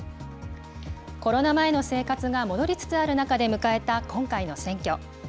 コロナ前の生活が戻りつつある中で迎えた今回の選挙。